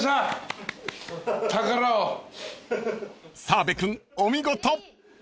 ［澤部君お見事］